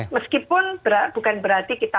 meskipun bukan berarti kita